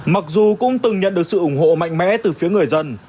mặc dù cũng từng nhận được sự ủng hộ mạnh mẽ từ phía người dân